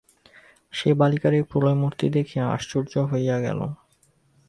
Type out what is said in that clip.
সে বালিকার এই প্রলয়মূর্তি দেখিয়া আশ্চর্য হইয়া গেল।